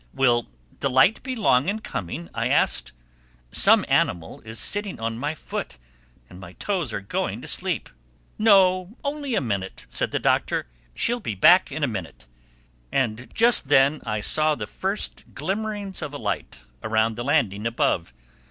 "Will the light be long in coming?" I asked. "Some animal is sitting on my foot and my toes are going to sleep." "No, only a minute," said the Doctor. "She'll be back in a minute." And just then I saw the first glimmerings of a light around the landing above.